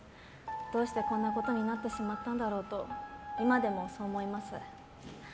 どうしてこんなことになってしまったんだろうと今でも、そう思います。